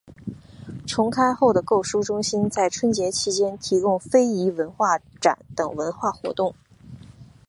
重开后的购书中心在春节期间提供非遗文化展等文化活动。